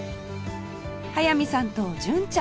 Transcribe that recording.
速水さんと純ちゃん